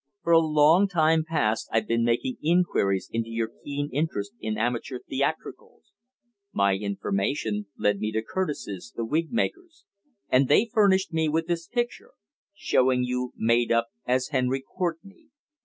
For a long time past I've been making inquiries into your keen interest in amateur theatricals. My information led me to Curtis's, the wigmakers; and they furnished me with this picture, showing you made up as as Henry Courtenay.